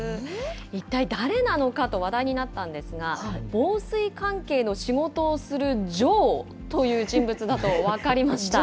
一体誰なのかと話題になったんですが、防水関係の仕事をするジョーという人物だと分かりました。